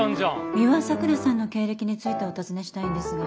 美羽さくらさんの経歴についてお尋ねしたいんですが。